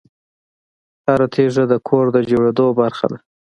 هره تیږه د کور د جوړېدو برخه ده.